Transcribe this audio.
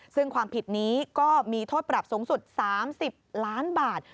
ซึ่งความผิดนี้ก็มีโทษปรับสูงสุด๓๐ล้านบาท